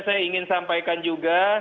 saya ingin sampaikan juga